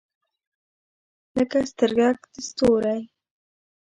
لکه سترګګ د ستوری